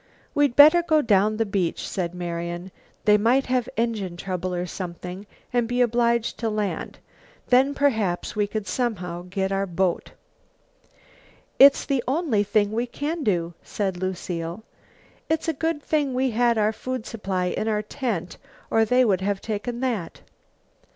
"We'd better go down the beach," said Marian. "They might have engine trouble, or something, and be obliged to land, then perhaps we could somehow get our boat." "It's the only thing we can do," said Lucile. "It's a good thing we had our food supply in our tent, or they would have taken that."